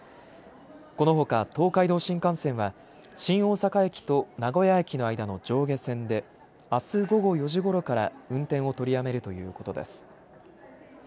このほか東海道新幹線は新大阪駅と名古屋駅の間の上下線で、あす午後４時ごろから運転を取りやめるということです。